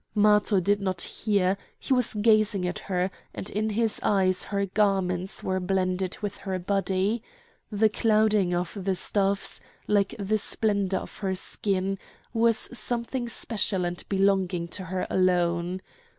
Matho did not hear; he was gazing at her, and in his eyes her garments were blended with her body. The clouding of the stuffs, like the splendour of her skin, was something special and belonging to her alone.